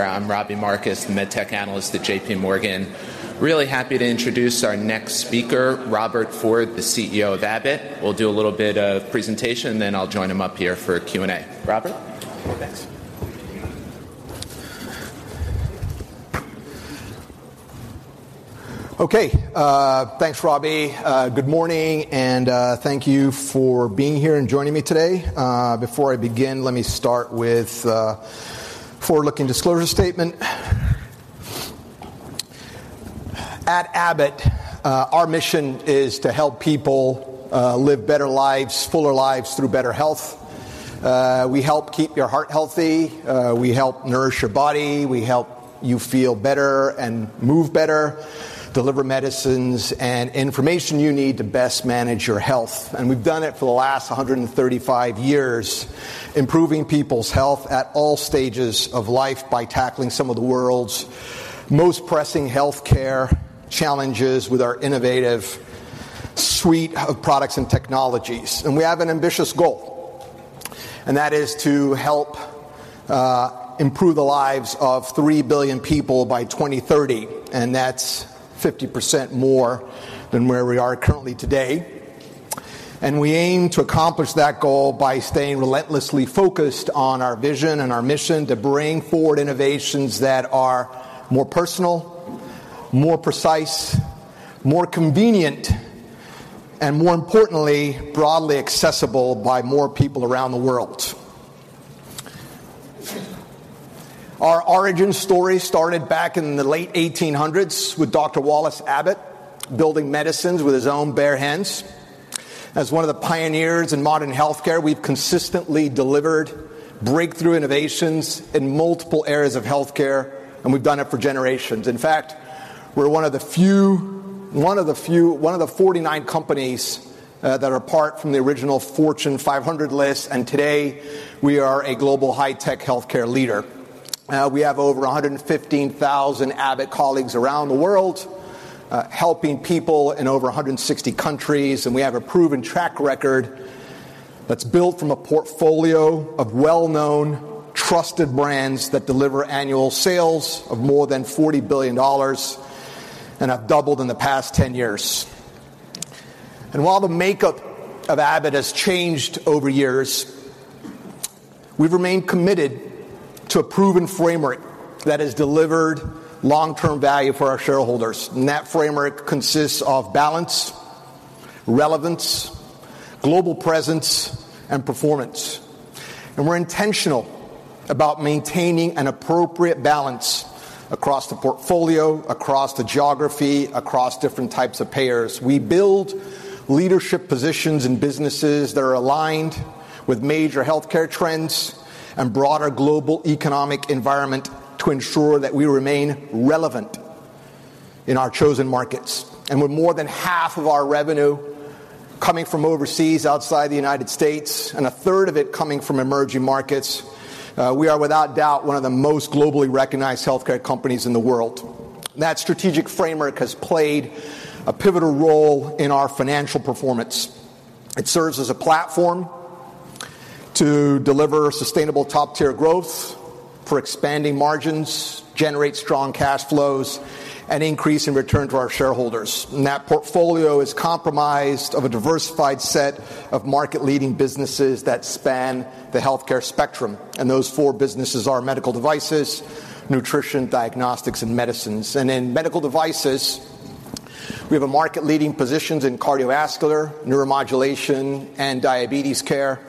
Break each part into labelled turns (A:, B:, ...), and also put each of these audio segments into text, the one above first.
A: I'm Robbie Marcus, the MedTech Analyst at JPMorgan. Really happy to introduce our next speaker, Robert Ford, the CEO of Abbott. We'll do a little bit of presentation, and then I'll join him up here for a Q&A. Robert?
B: Thanks. Okay, thanks, Robbie. Good morning, and thank you for being here and joining me today. Before I begin, let me start with forward-looking disclosure statement. At Abbott, our mission is to help people live better lives, fuller lives through better health. We help keep your heart healthy, we help nourish your body, we help you feel better and move better, deliver medicines and information you need to best manage your health. We've done it for the last 135 years, improving people's health at all stages of life by tackling some of the world's most pressing healthcare challenges with our innovative suite of products and technologies. We have an ambitious goal, and that is to help improve the lives of 3 billion people by 2030, and that's 50% more than where we are currently today. We aim to accomplish that goal by staying relentlessly focused on our vision and our mission to bring forward innovations that are more personal, more precise, more convenient, and more importantly, broadly accessible by more people around the world. Our origin story started back in the late 1800s with Dr. Wallace Abbott, building medicines with his own bare hands. As one of the pioneers in modern healthcare, we've consistently delivered breakthrough innovations in multiple areas of healthcare, and we've done it for generations. In fact, we're one of the few one of the 49 companies that are part from the original Fortune 500 list, and today we are a global high-tech healthcare leader. We have over 115,000 Abbott colleagues around the world, helping people in over 160 countries, and we have a proven track record that's built from a portfolio of well-known, trusted brands that deliver annual sales of more than $40 billion and have doubled in the past 10 years. While the makeup of Abbott has changed over years, we've remained committed to a proven framework that has delivered long-term value for our Shareholders. That framework consists of balance, relevance, global presence, and performance. We're intentional about maintaining an appropriate balance across the portfolio, across the geography, across different types of payers. We build leadership positions and businesses that are aligned with major healthcare trends and broader global economic environment to ensure that we remain relevant in our chosen markets. With more than half of our revenue coming from overseas, outside the United States, and a third of it coming from emerging markets, we are, without doubt, one of the most globally recognized healthcare companies in the world. That strategic framework has played a pivotal role in our financial performance. It serves as a platform to deliver sustainable top-tier growth for expanding margins, generate strong cash flows, and increase in return to our shareholders. That portfolio is comprised of a diversified set of market-leading businesses that span the Healthcare Spectrum, and those four businesses are medical devices, nutrition, diagnostics, and medicines. In medical devices, we have a market-leading positions in cardiovascular, neuromodulation, and Diabetes care.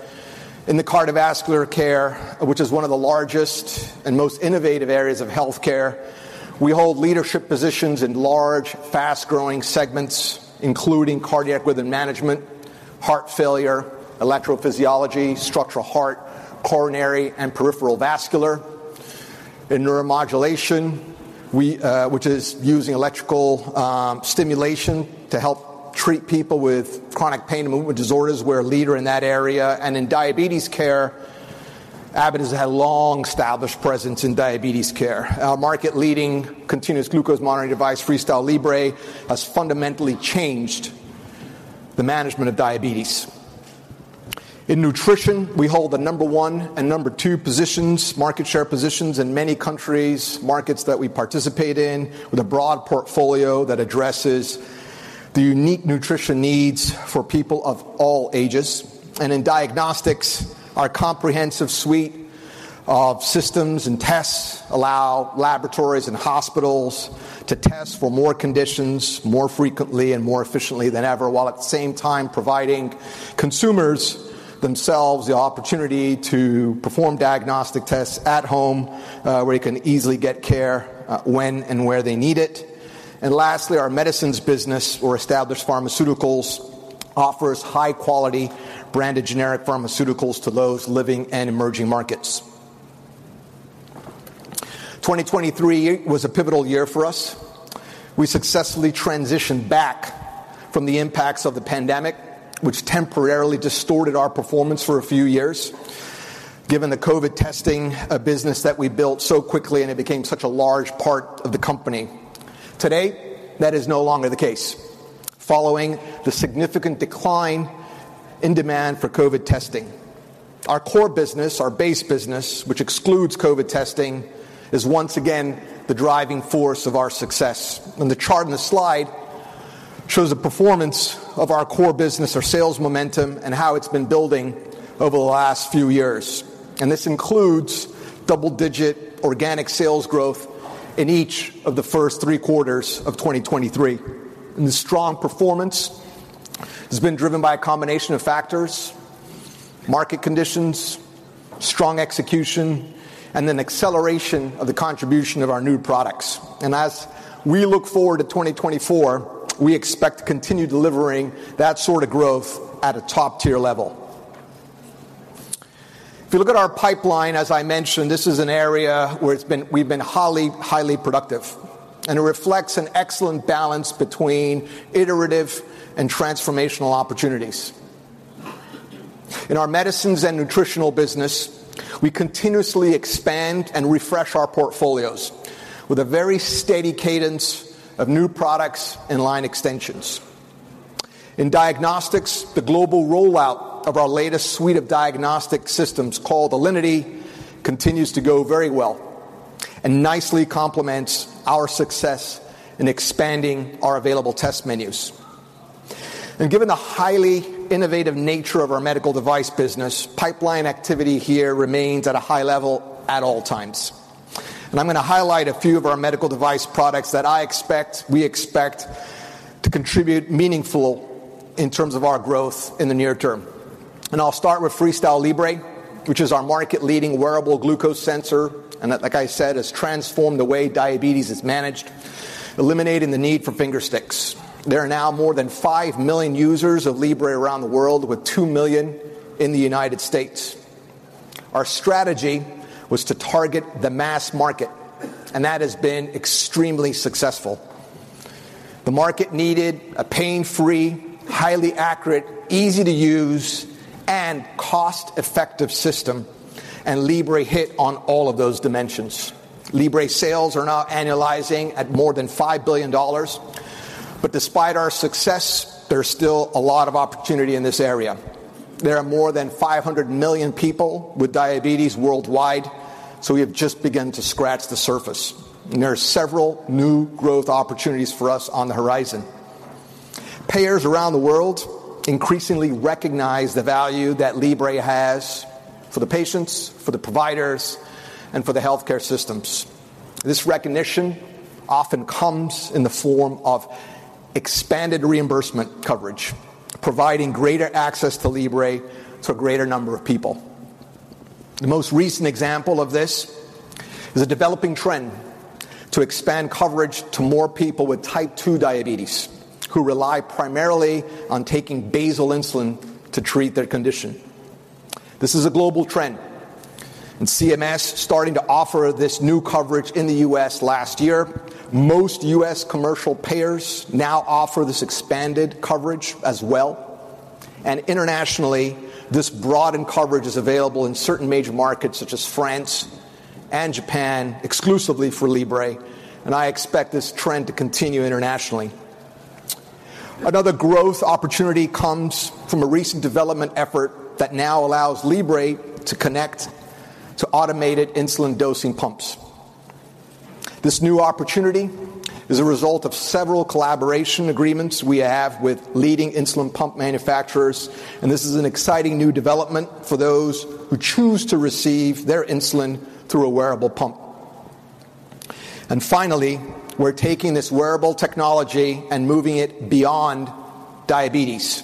B: In the cardiovascular care, which is one of the largest and most innovative areas of healthcare, we hold leadership positions in large, fast-growing segments, including cardiac rhythm management, heart failure, electrophysiology, structural heart, coronary, and peripheral vascular. In neuromodulation, we, which is using electrical stimulation to help treat people with chronic pain and movement disorders, we're a leader in that area. In Diabetes care, Abbott has had a long-established presence in Diabetes care. Our market-leading continuous glucose monitoring device, FreeStyle Libre, has fundamentally changed the management of Diabetes. In nutrition, we hold the number one and number two positions, market share positions in many countries, markets that we participate in, with a broad portfolio that addresses the unique nutrition needs for people of all ages. In diagnostics, our comprehensive suite of systems and tests allow laboratories and hospitals to test for more conditions, more frequently and more efficiently than ever, while at the same time providing consumers themselves the opportunity to perform diagnostic tests at home, where they can easily get care, when and where they need it. Lastly, our medicines business, our established pharmaceuticals, offers high-quality branded generic pharmaceuticals to those living in emerging markets. 2023 was a pivotal year for us. We successfully transitioned back from the impacts of the pandemic, which temporarily distorted our performance for a few years. Given the COVID testing, a business that we built so quickly, and it became such a large part of the company. Today, that is no longer the case. Following the significant decline in demand for COVID testing. Our core business, our base business, which excludes COVID testing, is once again the driving force of our success. The chart in the slide shows the performance of our core business, our sales momentum, and how it's been building over the last few years. This includes double-digit organic sales growth in each of the first three quarters of 2023. The strong performance has been driven by a combination of factors: market conditions, strong execution, and an acceleration of the contribution of our new products. As we look forward to 2024, we expect to continue delivering that sort of growth at a top-tier level. If you look at our pipeline, as I mentioned, this is an area where it's been, we've been highly, highly productive, and it reflects an excellent balance between iterative and transformational opportunities. In our medicines and nutritional business, we continuously expand and refresh our portfolios with a very steady cadence of new products and line extensions. In diagnostics, the global rollout of our latest suite of diagnostic systems, called Alinity, continues to go very well and nicely complements our success in expanding our available test menus. Given the highly innovative nature of our medical device business, pipeline activity here remains at a high level at all times. I'm going to highlight a few of our medical device products that I expect, we expect, to contribute meaningful in terms of our growth in the near term. I'll start with FreeStyle Libre, which is our market-leading wearable glucose sensor, and that, like I said, has transformed the way Diabetes is managed, eliminating the need for finger sticks. There are now more than 5 million users of Libre around the world, with 2 million in the United States. Our strategy was to target the mass market, and that has been extremely successful. The market needed a pain-free, highly accurate, easy-to-use, and cost-effective system, and Libre hit on all of those dimensions. Libre sales are now annualizing at more than $5 billion. But despite our success, there's still a lot of opportunity in this area. There are more than 500 million people with Diabetes worldwide, so we have just begun to scratch the surface, and there are several new growth opportunities for us on the horizon. Payers around the world increasingly recognize the value that Libre has for the patients, for the providers, and for the healthcare systems. This recognition often comes in the form of expanded reimbursement coverage, providing greater access to Libre to a greater number of people. The most recent example of this is a developing trend to expand coverage to more people with Type 2 Diabetes, who rely primarily on taking basal insulin to treat their condition. This is a global trend, and CMS starting to offer this new coverage in the U.S. last year. Most U.S. commercial payers now offer this expanded coverage as well. Internationally, this broadened coverage is available in certain major markets, such as France and Japan, exclusively for Libre, and I expect this trend to continue internationally. Another growth opportunity comes from a recent development effort that now allows Libre to connect to automated insulin dosing pumps. This new opportunity is a result of several collaboration agreements we have with leading insulin pump manufacturers, and this is an exciting new development for those who choose to receive their insulin through a wearable pump. And finally, we're taking this wearable technology and moving it beyond Diabetes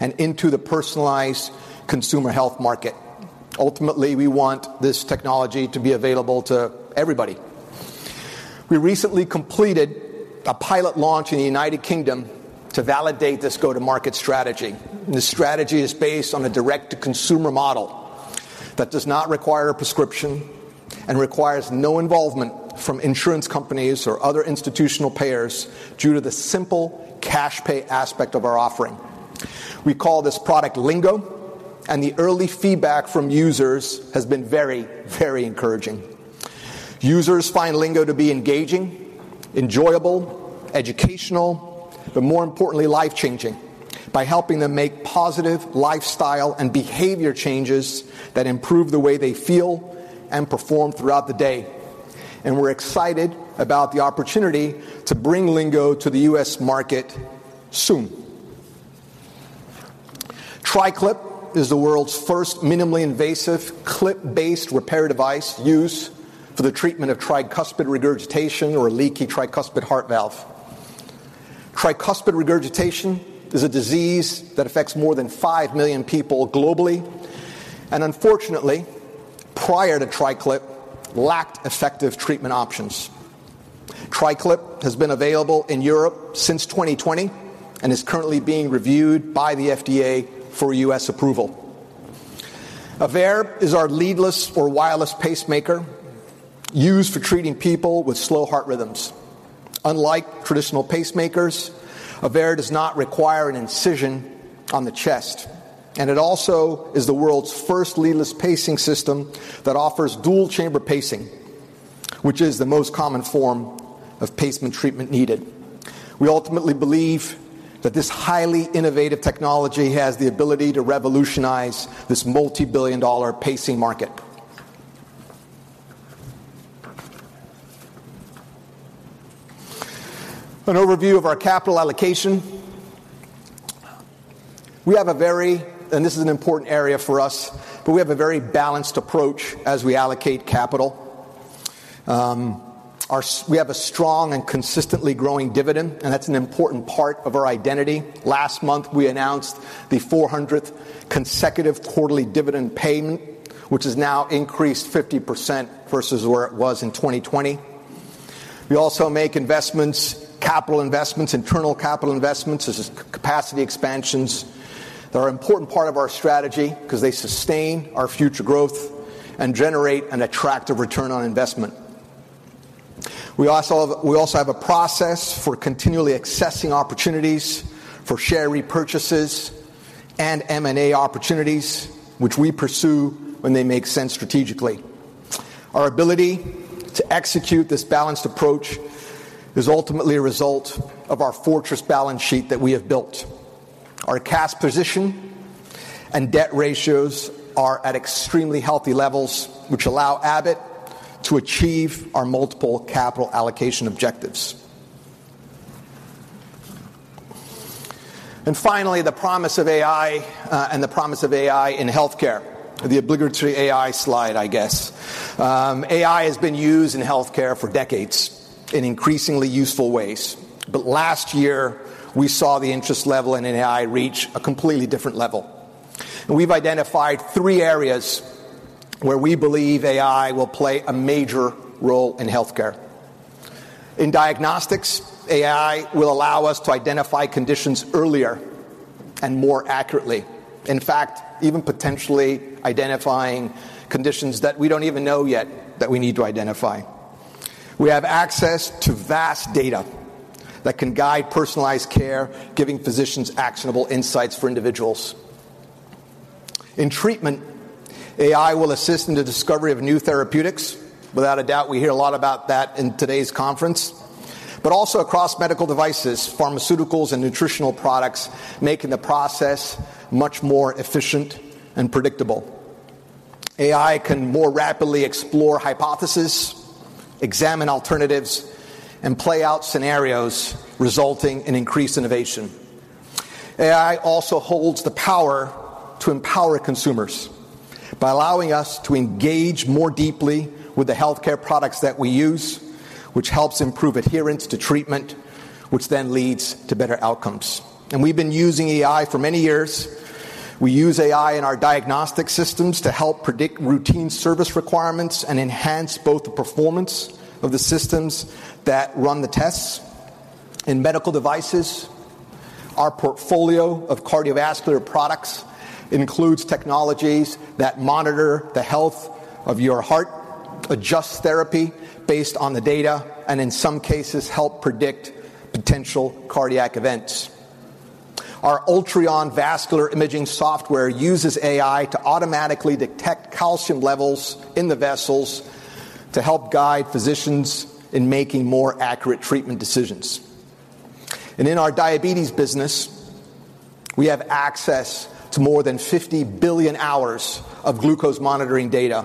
B: and into the personalized consumer health market. Ultimately, we want this technology to be available to everybody. We recently completed a pilot launch in the United Kingdom to validate this go-to-market strategy. This strategy is based on a direct-to-consumer model that does not require a prescription and requires no involvement from insurance companies or other institutional payers due to the simple cash pay aspect of our offering. We call this product Lingo, and the early feedback from users has been very, very encouraging. Users find Lingo to be engaging, enjoyable, educational, but more importantly, life-changing by helping them make positive lifestyle and behavior changes that improve the way they feel and perform throughout the day. We're excited about the opportunity to bring Lingo to the U.S. market soon. TriClip is the world's first minimally invasive clip-based repair device used for the treatment of Tricuspid Regurgitation or a leaky Tricuspid Heart Valve. Tricuspid Regurgitation is a disease that affects more than 5 million people globally, and unfortunately, prior to TriClip, lacked effective treatment options. TriClip has been available in Europe since 2020 and is currently being reviewed by the FDA for U.S. approval. AVEIR is our leadless or wireless pacemaker used for treating people with slow heart rhythms. Unlike traditional pacemakers, AVEIR does not require an incision on the chest, and it also is the world's first leadless pacing system that offers dual-chamber pacing, which is the most common form of pacemaker treatment needed. We ultimately believe that this highly innovative technology has the ability to revolutionize this multi-billion-dollar pacing market. An overview of our capital allocation. We have a very balanced approach as we allocate capital. And this is an important area for us. We have a strong and consistently growing dividend, and that's an important part of our identity. Last month, we announced the 400th consecutive quarterly dividend payment, which has now increased 50% versus where it was in 2020. We also make investments, capital investments, internal capital investments, such as capacity expansions, that are an important part of our strategy 'cause they sustain our future growth and generate an attractive return on investment. We also have a process for continually assessing opportunities for share repurchases and M&A opportunities, which we pursue when they make sense strategically. Our ability to execute this balanced approach is ultimately a result of our fortress balance sheet that we have built. Our cash position and debt ratios are at extremely healthy levels, which allow Abbott to achieve our multiple capital allocation objectives. And finally, the promise of AI and the promise of AI in healthcare, the obligatory AI slide, I guess. AI has been used in healthcare for decades in increasingly useful ways. But last year, we saw the interest level in AI reach a completely different level. We've identified three areas where we believe AI will play a major role in healthcare. In diagnostics, AI will allow us to identify conditions earlier and more accurately. In fact, even potentially identifying conditions that we don't even know yet that we need to identify. We have access to vast data that can guide personalized care, giving physicians actionable insights for individuals. In treatment, AI will assist in the discovery of new therapeutics. Without a doubt, we hear a lot about that in today's conference. But also across medical devices, pharmaceuticals, and nutritional products, making the process much more efficient and predictable. AI can more rapidly explore hypothesis, examine alternatives, and play out scenarios, resulting in increased innovation. AI also holds the power to empower consumers by allowing us to engage more deeply with the healthcare products that we use, which helps improve adherence to treatment, which then leads to better outcomes. We've been using AI for many years. We use AI in our Diagnostic Systems to help predict routine service requirements and enhance both the performance of the systems that run the tests. In medical devices, our portfolio of cardiovascular products includes technologies that monitor the health of your heart, adjust therapy based on the data, and in some cases, help predict potential Cardiac events. Our Ultreon Vascular imaging software uses AI to automatically detect calcium levels in the vessels to help guide physicians in making more accurate treatment decisions. In our Diabetes business, we have access to more than 50 billion hours of glucose monitoring data,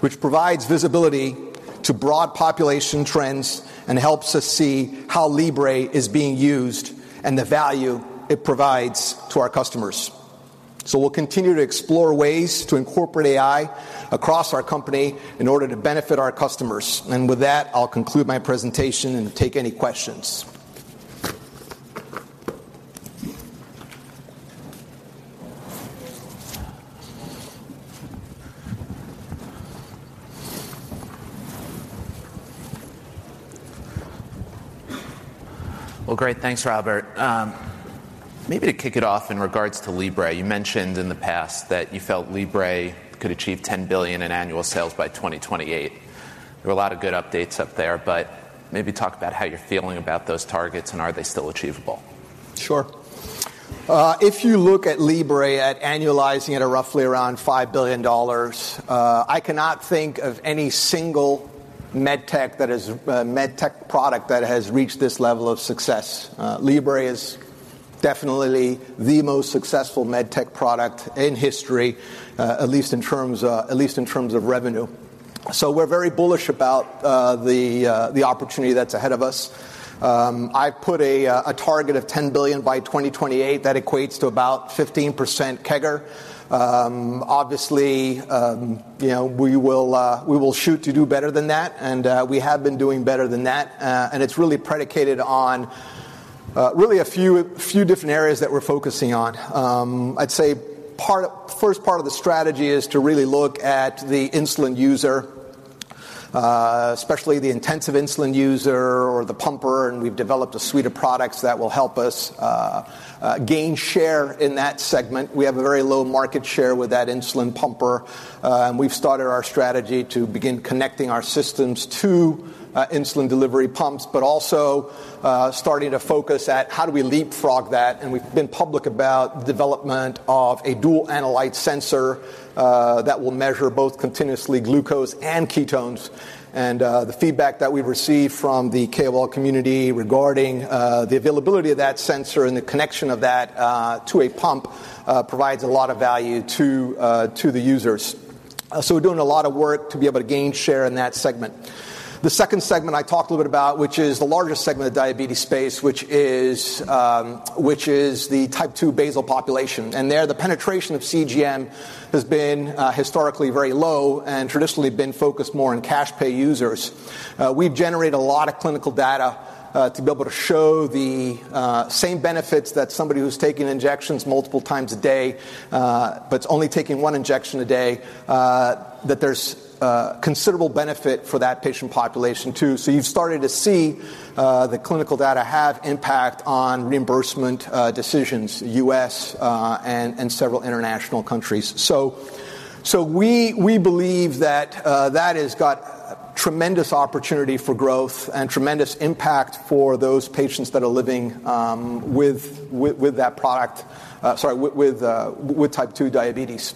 B: which provides visibility to broad population trends and helps us see how Libre is being used and the value it provides to our customers. We'll continue to explore ways to incorporate AI across our company in order to benefit our customers. With that, I'll conclude my presentation and take any questions.
A: Well, great. Thanks, Robert. Maybe to kick it off in regards to Libre, you mentioned in the past that you felt Libre could achieve $10 billion in annual sales by 2028. There were a lot of good updates up there, but maybe talk about how you're feeling about those targets, and are they still achievable?
B: Sure. If you look at Libre, annualizing at roughly around $5 billion, I cannot think of any MedTech that has MedTech product that has reached this level of success. Libre is definitely the most MedTech product in history, at least in terms of revenue. So we're very bullish about the opportunity that's ahead of us. I put a target of $10 billion by 2028. That equates to about 15% CAGR. Obviously, you know, we will shoot to do better than that, and we have been doing better than that. And it's really predicated on really a few different areas that we're focusing on. I'd say first part of the strategy is to really look at the insulin user, especially the intensive insulin user or the pumper, and we've developed a suite of products that will help us gain share in that segment. We have a very low market share with that insulin pumper, and we've started our strategy to begin connecting our systems to insulin delivery pumps, but also starting to focus at how do we leapfrog that, and we've been public about the development of a dual analyte sensor that will measure both continuous Glucose and Ketones. The feedback that we've received from the KOL community regarding the availability of that sensor and the connection of that to a pump provides a lot of value to the users. So we're doing a lot of work to be able to gain share in that segment. The second segment I talked a little bit about, which is the largest segment of the Diabetes space, which is the Type 2 basal population. And there, the penetration of CGM has been historically very low and traditionally been focused more on cash pay users. We've generated a lot of clinical data to be able to show the same benefits that somebody who's taking injections multiple times a day but is only taking one injection a day, that there's considerable benefit for that patient population, too. So you've started to see the clinical data have impact on reimbursement decisions, U.S., and several international countries. We believe that has got tremendous opportunity for growth and tremendous impact for those patients that are living with Type 2 Diabetes.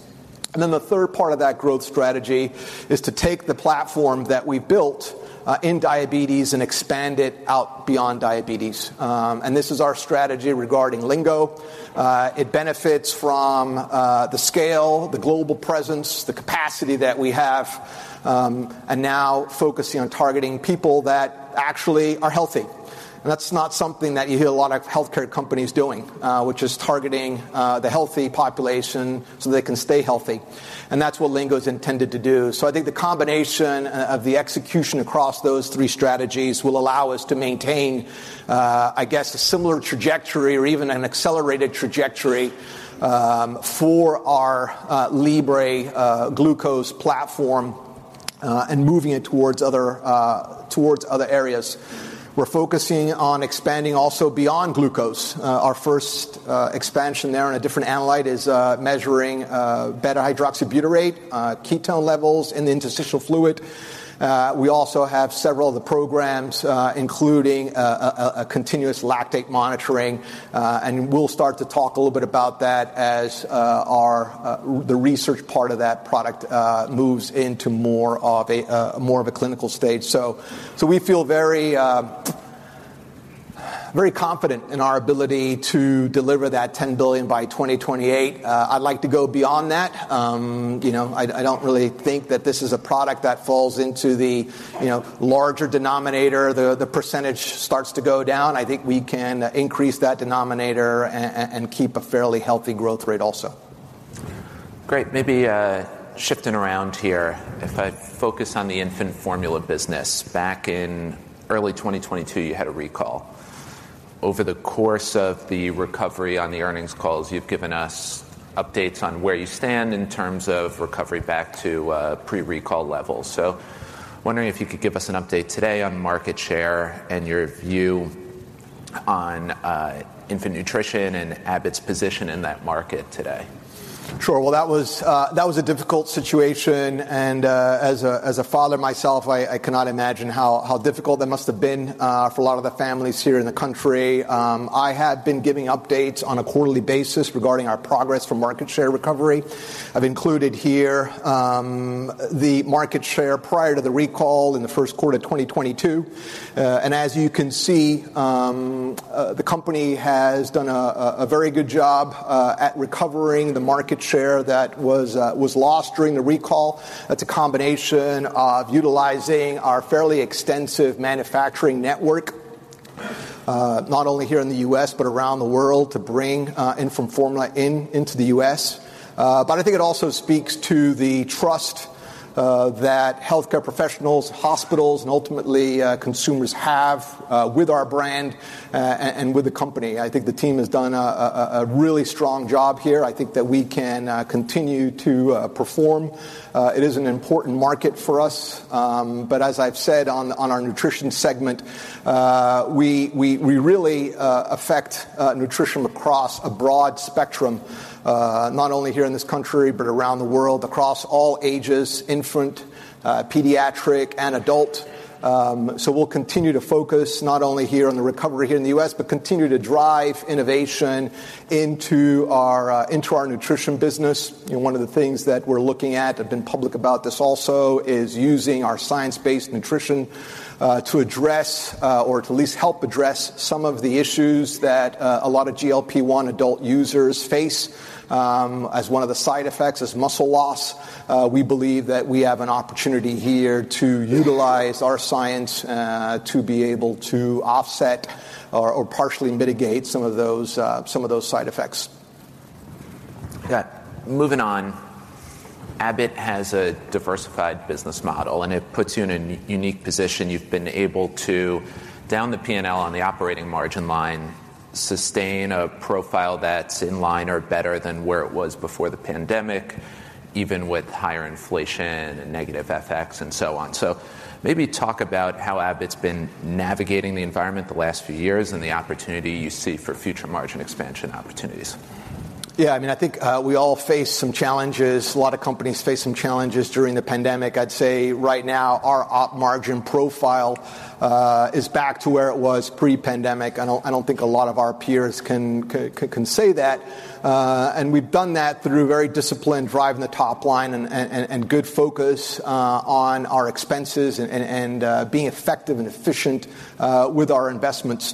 B: And then the third part of that growth strategy is to take the platform that we built in Diabetes and expand it out beyond Diabetes. And this is our strategy regarding Lingo. It benefits from the scale, the global presence, the capacity that we have, and now focusing on targeting people that actually are healthy. And that's not something that you hear a lot of Healthcare companies doing, which is targeting the healthy population so they can stay healthy, and that's what Lingo is intended to do. So I think the combination of the execution across those three strategies will allow us to maintain, I guess, a similar trajectory or even an accelerated trajectory, for our Libre glucose platform, and moving it towards other areas. We're focusing on expanding also beyond glucose. Our first expansion there on a different analyte is measuring Beta-Hydroxybutyrate Ketone levels in the interstitial fluid. We also have several other programs, including a continuous lactate monitoring, and we'll start to talk a little bit about that as the research part of that product moves into more of a clinical stage. So we feel very confident in our ability to deliver that $10 billion by 2028. I'd like to go beyond that. You know, I don't really think that this is a product that falls into the, you know, larger denominator, the percentage starts to go down. I think we can increase that denominator and keep a fairly healthy growth rate also.
A: Great. Maybe, shifting around here, if I focus on the infant formula business. Back in early 2022, you had a recall. Over the course of the recovery on the earnings calls, you've given us updates on where you stand in terms of recovery back to, pre-recall levels. So wondering if you could give us an update today on market share and your view on, infant nutrition and Abbott's position in that market today?
B: Sure. Well, that was a difficult situation, and as a father myself, I cannot imagine how difficult that must have been for a lot of the families here in the country. I have been giving updates on a quarterly basis regarding our progress for market share recovery. I've included here the market share prior to the recall in the first quarter of 2022. And as you can see, the company has done a very good job at recovering the market share that was lost during the recall. That's a combination of utilizing our fairly extensive manufacturing network, not only here in the U.S., but around the world, to bring infant formula into the U.S. But I think it also speaks to the trust that healthcare professionals, hospitals, and ultimately consumers have with our brand and with the company. I think the team has done a really strong job here. I think that we can continue to perform. It is an important market for us, but as I've said on our nutrition segment, we really affect nutrition across a broad spectrum, not only here in this country, but around the world, across all ages, infant, pediatric, and adult. So we'll continue to focus not only here on the recovery here in the U.S., but continue to drive innovation into our nutrition business. You know, one of the things that we're looking at, I've been public about this also, is using our science-based nutrition, to address, or to at least help address some of the issues that, a lot of GLP-1 adult users face. As one of the side effects is muscle loss, we believe that we have an opportunity here to utilize our science, to be able to offset or, or partially mitigate some of those, some of those side effects.
A: Got it. Moving on, Abbott has a diversified business model, and it puts you in a unique position. You've been able to, down the P&L on the operating margin line, sustain a profile that's in line or better than where it was before the pandemic, even with higher inflation and negative FX and so on. So maybe talk about how Abbott's been navigating the environment the last few years and the opportunity you see for future margin expansion opportunities.
B: Yeah, I mean, I think we all faced some challenges. A lot of companies faced some challenges during the pandemic. I'd say right now, our op margin profile is back to where it was pre-pandemic. I don't, I don't think a lot of our peers can say that. And we've done that through very disciplined drive in the top line and a good focus on our expenses and being effective and efficient with our investments.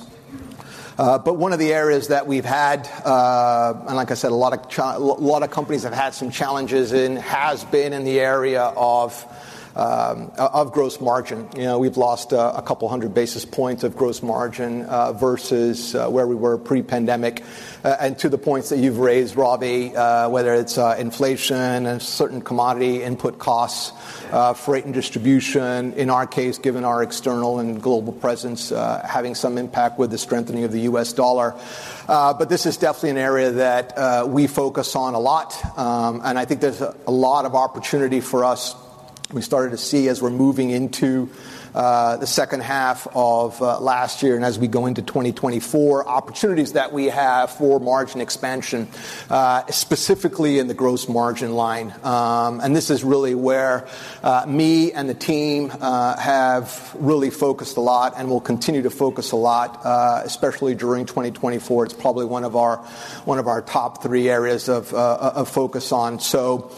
B: But one of the areas that we've had, and like I said, a lot of companies have had some challenges, and has been in the area of gross margin. You know, we've lost 200 basis points of gross margin versus where we were pre-pandemic. And to the points that you've raised, Robbie, whether it's inflation and certain commodity input costs, freight and distribution, in our case, given our external and global presence, having some impact with the strengthening of the U.S. dollar. But this is definitely an area that we focus on a lot, and I think there's a lot of opportunity for us. We started to see as we're moving into the second half of last year, and as we go into 2024, opportunities that we have for margin expansion, specifically in the gross margin line. And this is really where me and the team have really focused a lot and will continue to focus a lot, especially during 2024. It's probably one of our top three areas of focus on. So,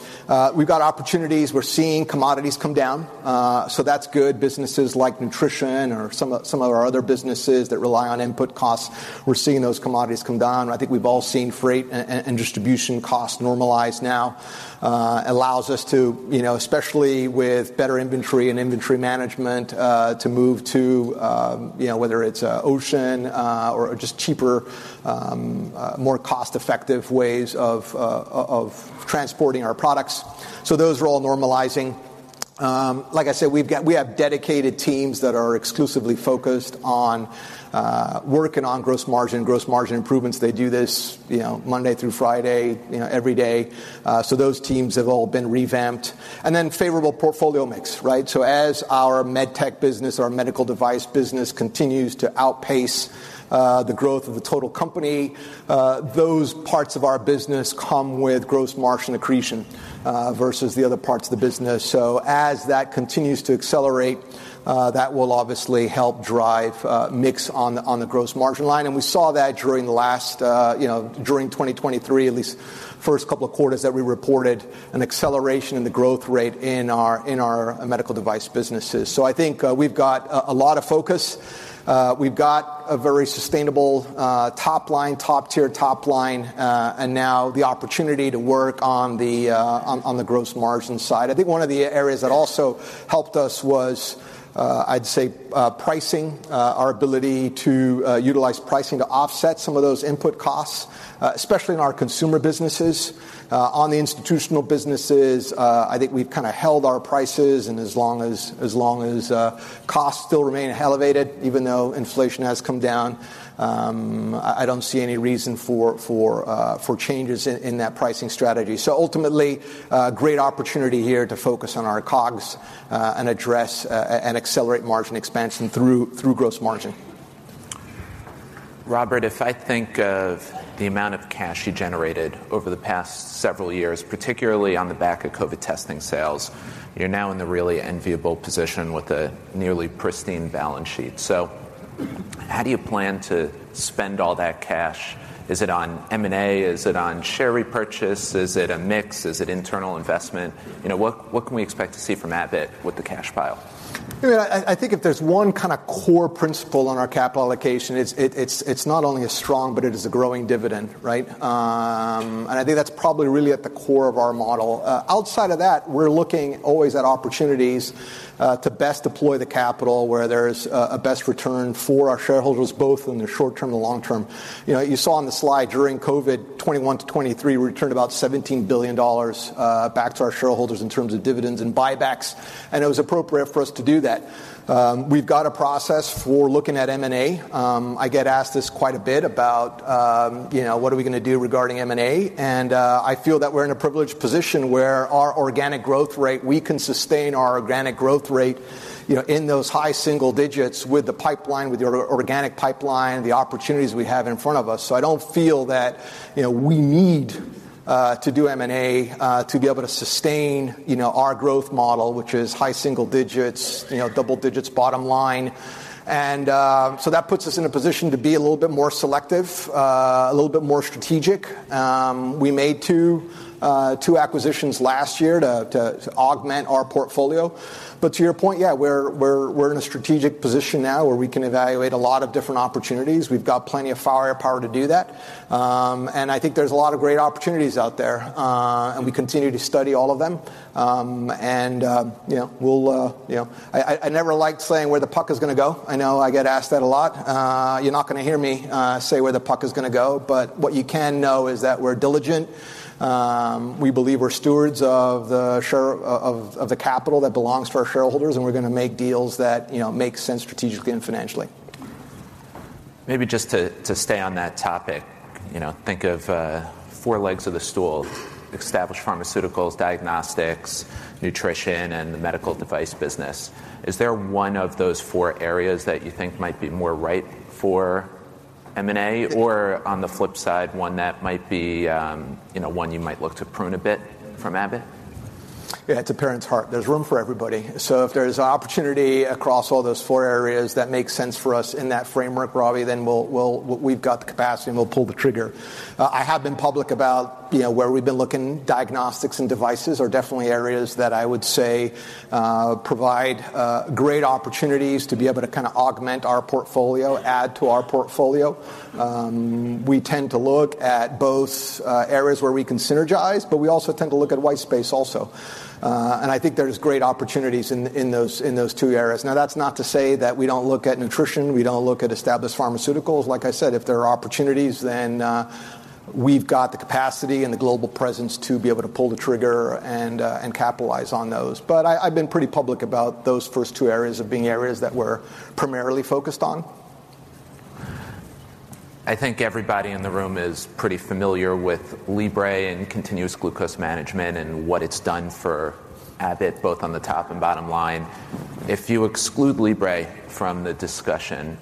B: we've got opportunities. We're seeing commodities come down, so that's good. Businesses like nutrition or some of our other businesses that rely on input costs, we're seeing those commodities come down. I think we've all seen freight and distribution costs normalize now. Allows us to, you know, especially with better inventory and inventory management, to move to, you know, whether it's, ocean, or just cheaper, more cost-effective ways of, of transporting our products. So those are all normalizing. Like I said, we have dedicated teams that are exclusively focused on, working on gross margin, gross margin improvements. They do this, you know, Monday through Friday, you know, every day. So those teams have all been revamped. And then favorable portfolio mix, right? So as MedTech business, our medical device business, continues to outpace the growth of the total company, those parts of our business come with gross margin accretion versus the other parts of the business. So as that continues to accelerate, that will obviously help drive mix on the gross margin line, and we saw that during the last, you know, during 2023, at least first couple of quarters that we reported, an acceleration in the growth rate in our medical device businesses. So I think we've got a lot of focus. We've got a very sustainable top line, top tier, top line, and now the opportunity to work on the gross margin side. I think one of the areas that also helped us was, I'd say, pricing, our ability to utilize pricing to offset some of those input costs, especially in our Consumer Businesses. On the Institutional Businesses, I think we've kinda held our prices, and as long as costs still remain elevated, even though inflation has come down, I don't see any reason for changes in that pricing strategy. So ultimately, a great opportunity here to focus on our COGS, and address and accelerate margin expansion through gross margin.
A: Robert, if I think of the amount of cash you generated over the past several years, particularly on the back of COVID testing sales, you're now in the really enviable position with a nearly pristine balance sheet. So how do you plan to spend all that cash? Is it on M&A? Is it on share repurchase? Is it a mix? Is it Internal Investment? You know, what, what can we expect to see from Abbott with the cash pile?
B: I mean, I think if there's one kinda core principle on our capital allocation, it's not only a strong, but it is a growing dividend, right? And I think that's probably really at the core of our model. Outside of that, we're looking always at opportunities to best deploy the capital where there's a best return for our shareholders, both in the short term and long term. You know, you saw on the slide, during COVID, 2021 to 2023, we returned about $17 billion back to our shareholders in terms of dividends and buybacks, and it was appropriate for us to do that. We've got a process for looking at M&A. I get asked this quite a bit about, you know, what are we gonna do regarding M&A? I feel that we're in a privileged position where our organic growth rate we can sustain our organic growth rate, you know, in those high single digits with the pipeline, with the organic pipeline, the opportunities we have in front of us. So I don't feel that, you know, we need to do M&A to be able to sustain, you know, our growth model, which is high single digits, you know, double digits, bottom line. So that puts us in a position to be a little bit more selective, a little bit more strategic. We made two acquisitions last year to augment our portfolio. But to your point, yeah, we're in a strategic position now where we can evaluate a lot of different opportunities. We've got plenty of firepower to do that. And I think there's a lot of great opportunities out there, and we continue to study all of them. You know, we'll, you know, I never liked saying where the puck is gonna go. I know I get asked that a lot. You're not gonna hear me say where the puck is gonna go, but what you can know is that we're diligent. We believe we're stewards of the capital that belongs to our shareholders, and we're gonna make deals that, you know, make sense strategically and financially.
A: Maybe just to, to stay on that topic, you know, think of four legs of the stool: established Pharmaceuticals, Diagnostics, Nutrition, and the Medical Device business. Is there one of those four areas that you think might be more right for M&A? Or on the flip side, one that might be, you know, one you might look to prune a bit from Abbott?
B: Yeah, it's a parent's heart. There's room for everybody. So if there's opportunity across all those four areas that make sense for us in that framework, Robbie, then we'll, we've got the capacity, and we'll pull the trigger. I have been public about, you know, where we've been looking. Diagnostics and devices are definitely areas that I would say provide great opportunities to be able to kind a augment our portfolio, add to our portfolio. We tend to look at both areas where we can Synergize, but we also tend to look at white space also. And I think there's great opportunities in those two areas. Now, that's not to say that we don't look at nutrition, we don't look at established pharmaceuticals. Like I said, if there are opportunities, then we've got the capacity and the global presence to be able to pull the trigger and, and capitalize on those. But I, I've been pretty public about those first two areas as being areas that we're primarily focused on.
A: I think everybody in the room is pretty familiar with Libre and continuous Glucose Management and what it's done for Abbott, both on the top and bottom line. If you exclude Libre from the discussion,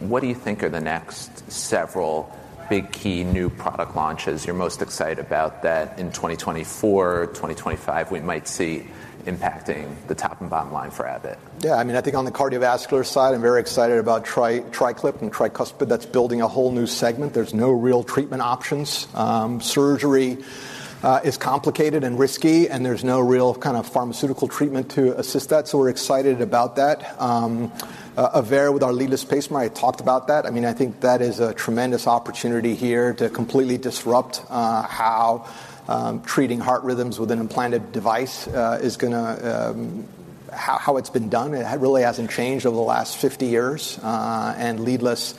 A: what do you think are the next several big, key new product launches you're most excited about that in 2024, 2025, we might see impacting the top and bottom line for Abbott?
B: Yeah, I mean, I think on the Cardiovascular side, I'm very excited about TriClip and tricuspid. That's building a whole new segment. There's no real treatment options. Surgery is complicated and risky, and there's no real kind of Pharmaceutical Treatment to assist that, so we're excited about that. AVEIR, with our leadless pacemaker, I talked about that. I mean, I think that is a tremendous opportunity here to completely disrupt how it's been done. It really hasn't changed over the last 50 years. And leadless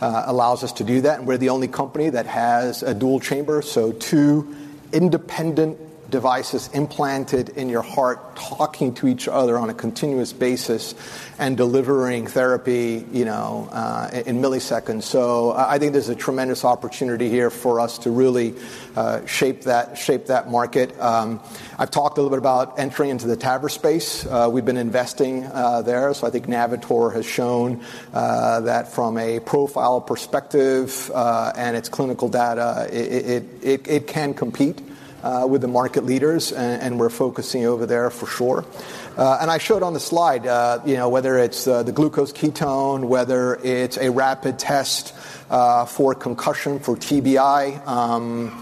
B: allows us to do that, and we're the only company that has a dual chamber, so two independent devices implanted in your heart, talking to each other on a continuous basis and delivering therapy, you know, in milliseconds. So I think there's a tremendous opportunity here for us to really shape that market. I've talked a little bit about entering into the TAVR space. We've been investing there, so I think Navitor has shown that from a profile perspective and its clinical data, it can compete with the market leaders, and we're focusing over there for sure. And I showed on the slide, you know, whether it's the Glucose Ketone, whether it's a rapid test for concussion, for TBI,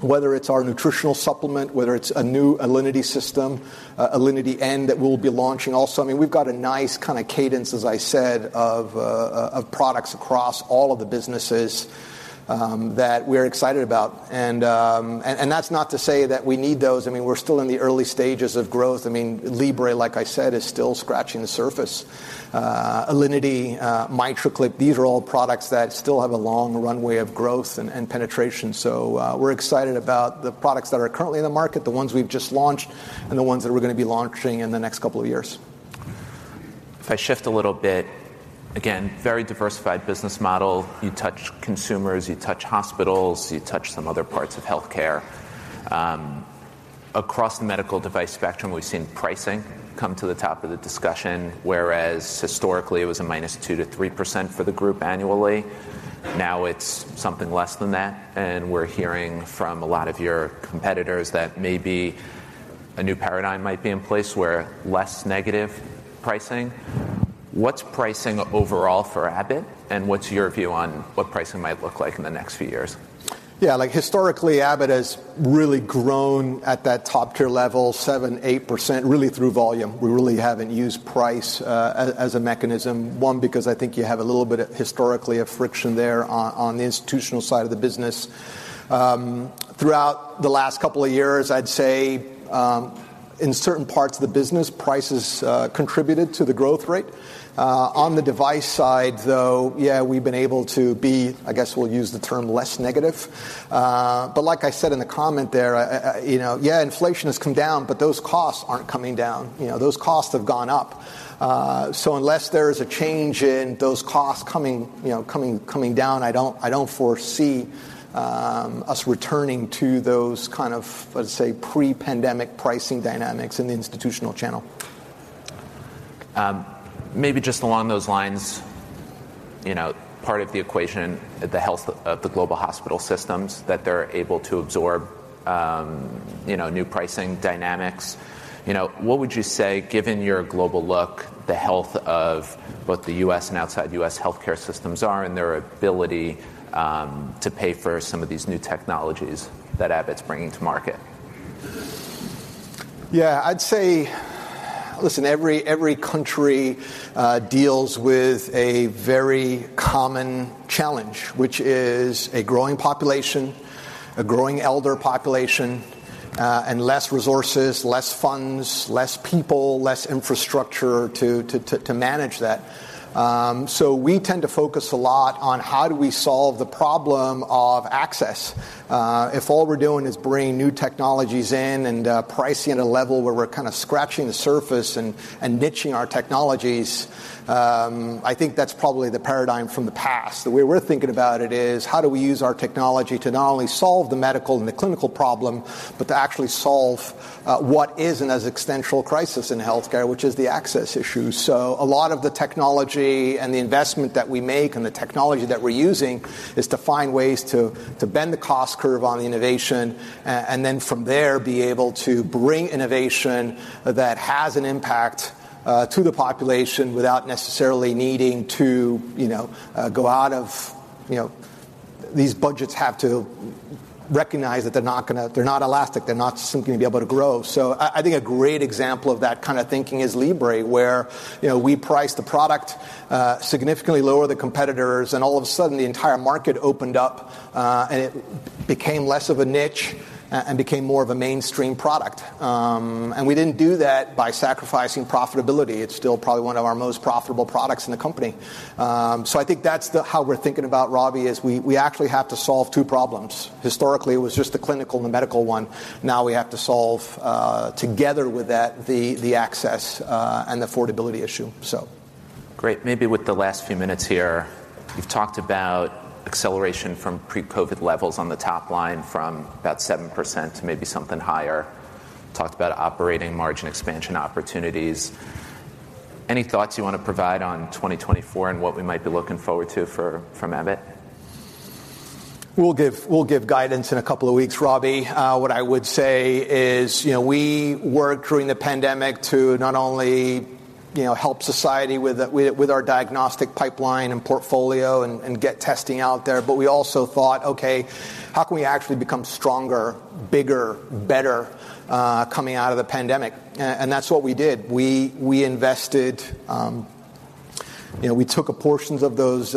B: whether it's our nutritional supplement, whether it's a new Alinity System, Alinity and that we'll be launching also, I mean, we've got a nice kind a cadence, as I said, of products across all of the businesses that we're excited about. And that's not to say that we need those. I mean, we're still in the early stages of growth. I mean, Libre, like I said, is still scratching the surface. Alinity, MitraClip, these are all products that still have a long runway of growth and penetration. So, we're excited about the products that are currently in the market, the ones we've just launched, and the ones that we're gonna be launching in the next couple of years.
A: If I shift a little bit, again, very diversified business model. You touch consumers, you touch hospitals, you touch some other parts of healthcare. Across the medical device spectrum, we've seen pricing come to the top of the discussion, whereas historically, it was a -2%-3% for the group annually. Now, it's something less than that, and we're hearing from a lot of your competitors that maybe a new paradigm might be in place where less negative pricing. What's pricing overall for Abbott, and what's your view on what pricing might look like in the next few years?
B: Yeah, like historically, Abbott has really grown at that top tier level, 7%-8%, really through volume. We really haven't used price as a mechanism, one, because I think you have a little bit, historically, of friction there on the institutional side of the business. Throughout the last couple of years, I'd say, in certain parts of the business, prices contributed to the growth rate. On the device side, though, yeah, we've been able to be, I guess we'll use the term, less negative. But like I said in the comment there, you know, yeah, inflation has come down, but those costs aren't coming down. You know, those costs have gone up. Unless there is a change in those costs coming down, you know, I don't foresee us returning to those kind of, let's say, pre-pandemic pricing dynamics in the institutional channel.
A: Maybe just along those lines, you know, part of the equation, the health of the global hospital systems, that they're able to absorb, you know, new pricing dynamics. You know, what would you say, given your global look, the health of both the U.S. and outside U.S. Healthcare Systems are and their ability to pay for some of these new technologies that Abbott's bringing to market?
B: Yeah, I'd say, listen, every country deals with a very common challenge, which is a growing population, a growing elder population, and less resources, less funds, less people, less infrastructure to manage that. So we tend to focus a lot on how do we solve the problem of access? If all we're doing is bringing new technologies in and pricing at a level where we're kind a scratching the surface and Niching our Technologies, I think that's probably the paradigm from the past. The way we're thinking about it is, how do we use our technology to not only solve the medical and the clinical problem, but to actually solve what is an existential crisis in Healthcare, which is the access issue? So a lot of the technology and the investment that we make and the technology that we're using is to find ways to, to bend the cost curve on the innovation, and then from there, be able to bring innovation that has an impact, to the population without necessarily needing to, you know, go out of, you know these budgets have to recognize that they're not gonna they're not elastic, they're not simply going to be able to grow. So I think a great example of that kind of thinking is Libre, where, you know, we priced the product, significantly lower than competitors, and all of a sudden, the entire market opened up, and it became less of a niche, and became more of a mainstream product. And we didn't do that by sacrificing profitability. It's still probably one of our most profitable products in the company. So I think that's how we're thinking about, Robbie, is we actually have to solve two problems. Historically, it was just the clinical and the medical one. Now, we have to solve, together with that, the access and affordability issue, so.
A: Great. Maybe with the last few minutes here, you've talked about acceleration from pre-COVID levels on the top line from about 7% to maybe something higher. Talked about operating margin expansion opportunities. Any thoughts you want to provide on 2024 and what we might be looking forward to from Abbott?
B: We'll give guidance in a couple of weeks, Robbie. What I would say is, you know, we worked during the pandemic to not only, you know, help society with our diagnostic pipeline and portfolio and get testing out there, but we also thought, Okay, how can we actually become stronger, bigger, better coming out of the pandemic? That's what we did. We invested. You know, we took a portions of those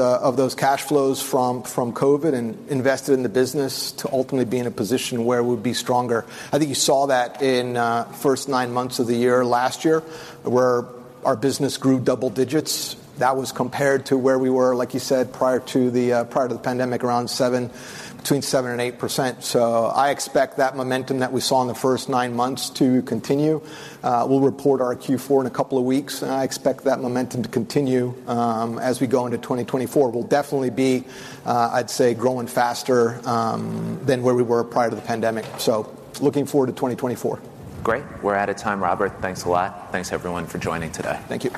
B: cash flows from COVID and invested in the business to ultimately be in a position where we'd be stronger. I think you saw that in first nine months of the year, last year, where our business grew double digits. That was compared to where we were, like you said, prior to the pandemic, around 7%-8%. So I expect that momentum that we saw in the first nine months to continue. We'll report our Q4 in a couple of weeks, and I expect that momentum to continue, as we go into 2024. We'll definitely be, I'd say, growing faster than where we were prior to the pandemic. Looking forward to 2024.
A: Great. We're out of time, Robert. Thanks a lot. Thanks, everyone, for joining today.
B: Thank you.